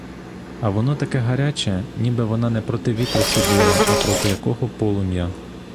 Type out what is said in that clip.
А воно таке гаряче, ніби вона не проти вітру сиділа, а проти якого полум'я.